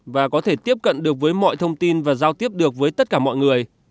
và có thể tiếp cận được với mọi thông tin và giao tiếp được với tất cả mọi người